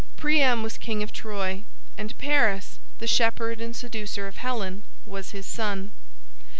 Priam was king of Troy, and Paris, the shepherd and seducer of Helen, was his son.